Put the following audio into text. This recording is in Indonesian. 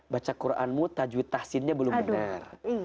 baca quranmu tajwid tahsinnya belum benar